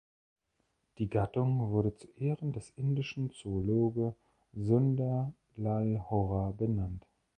Die Gattung wurde zu Ehren des indischen Zoologe Sunder Lal Hora benannt.